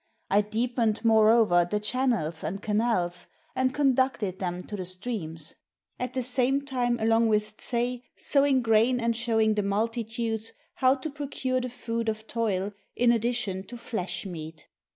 I deepened, moreover, the channels and canals, and conducted them to the streams, at the same time along with Tseih sowing grain and showing the multi tudes how to procure the food of toil in addition to flesh meat.